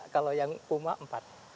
kalau yang puma empat